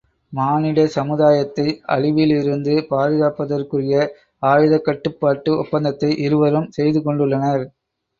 மானிட சமுதாயத்தை அழிவிலிருந்து பாதுகாப்பதற்குரிய ஆயுதக் கட்டுப்பாட்டு ஒப்பந்தத்தை இருவரும் செய்து கொண்டுள்ளனர்.